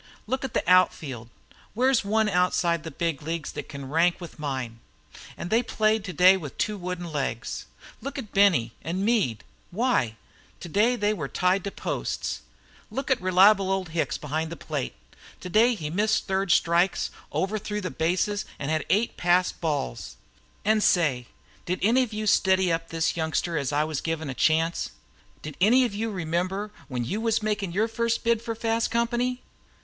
Look at the out field. Where's one outside of the big leagues thet can rank with mine? An' they played today with two wooden legs. Look at Benny an' Meade why, today they were tied to posts. Look at reliable old Hicks behind the plate today he missed third strikes, overthrew the bases, an' had eight passed balls. An' say, did any of you steady up this youngster as I was givin' a chance? Did any of you remember when you was makin' your first bid for fast company?